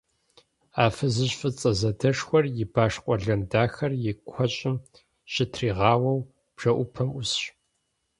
А фызыжь фӏыцӏэ задэшхуэр и баш къуэлэн дахэр и куэщӏым щытригъауэу бжэӏупэм ӏусщ.